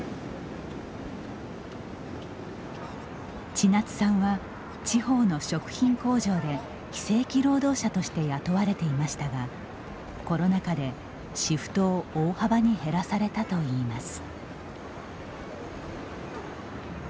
千夏さんは、地方の食品工場で非正規労働者として雇われていましたがコロナ禍でシフトを大幅に減らされたといいます。